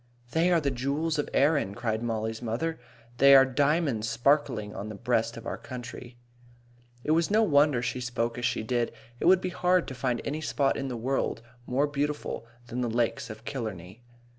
"They are the jewels of Erin," cried Mollie's mother. "They are diamonds sparkling on the breast of our country." It was no wonder she spoke as she did. It would be hard to find any spot in the world more beautiful than the Lakes of Killarney.